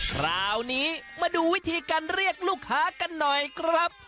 คราวนี้มาดูวิธีการเรียกลูกค้ากันหน่อยครับ